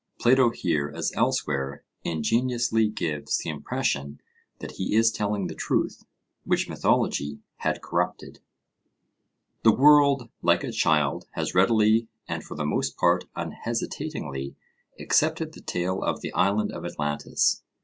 Plato here, as elsewhere, ingeniously gives the impression that he is telling the truth which mythology had corrupted. The world, like a child, has readily, and for the most part unhesitatingly, accepted the tale of the Island of Atlantis.